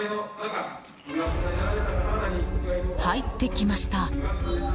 入ってきました。